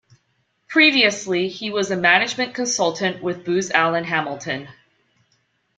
Previously, he was a management consultant with Booz Allen Hamilton.